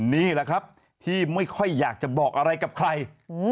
นี่แหละครับที่ไม่ค่อยอยากจะบอกอะไรกับใคร